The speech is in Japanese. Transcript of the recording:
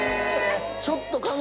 ちょっと。